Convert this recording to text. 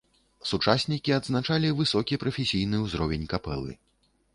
Сучаснікі адзначалі высокі прафесійны ўзровень капэлы.